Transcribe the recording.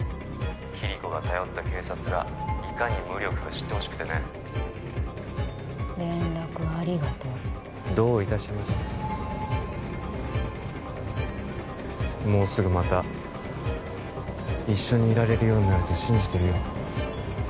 キリコが頼った警察がいかに無力か知ってほしくてね連絡ありがとうどういたしましてもうすぐまた一緒にいられるようになると信じてるよ